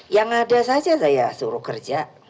yang ada saja saya suruh kerja